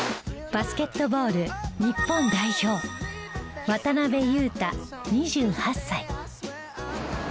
バスケットボール日本代表渡邊雄太２８歳。